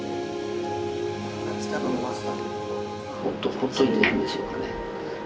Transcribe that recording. ほっといていいんでしょうかね。